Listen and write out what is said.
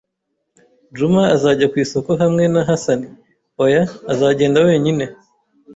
"Juma azajya ku isoko hamwe na Hasani?" "Oya, azagenda wenyine."